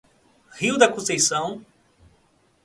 Rio da Conceição